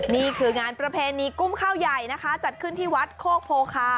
นี่คืองานประเพณีกุ้มข้าวใหญ่นะคะจัดขึ้นที่วัดโคกโพคา